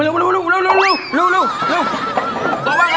โต๊ะว่างแล้วโต๊ะว่างแล้ว